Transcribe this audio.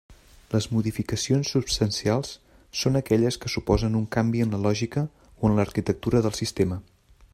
Les modificacions substancials són aquelles que suposen un canvi en la lògica o en l'arquitectura del sistema.